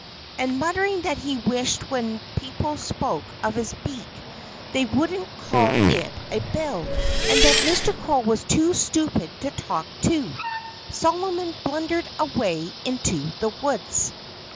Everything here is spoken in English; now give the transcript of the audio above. And muttering that he wished when people spoke of his beak they wouldn't call it a bill, and that Mr. Crow was too stupid to talk to, Solomon blundered away into the woods.